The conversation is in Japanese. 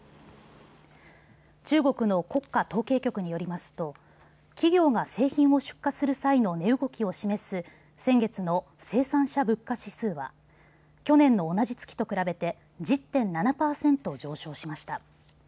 中国の国家統計局によりますと企業が製品を出荷する際の値動きを示す先月の生産者物価指数は去年の同じ月と比べて１０．７％上昇しました。